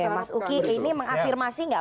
mas uki ini mengafirmasi gak